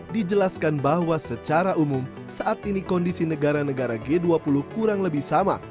dijelaskan bahwa secara umum saat ini kondisi negara negara g dua puluh kurang lebih sama